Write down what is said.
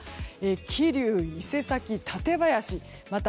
桐生、伊勢崎、館林また